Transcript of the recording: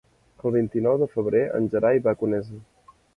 El vint-i-nou de febrer en Gerai va a Conesa.